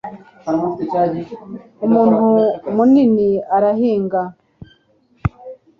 umuntu munini arahinga